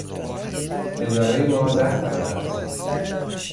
ادارهی ما ده طبقه است.